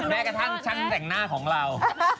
แม้กระทั่งช่างแต่งหน้าของเรา